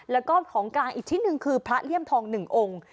แล้วก็ของกลางอีกชิ้นหนึ่งคือพระเลี่ยมทอง๑องค์